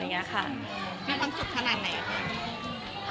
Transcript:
ที่ทำสนุกขนาดไหนอะคะ